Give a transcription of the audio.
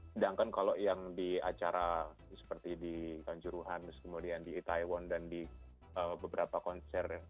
sedangkan kalau yang di acara seperti di tanjuruhan kemudian di itaewon dan di beberapa konser